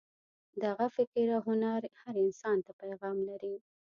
دغه فکر او هنر هر انسان ته پیغام لري.